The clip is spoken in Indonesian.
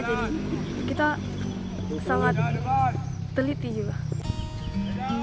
jadi kita sangat teliti juga